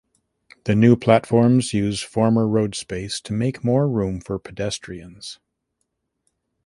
The new platforms use former road space to make more room for pedestrians.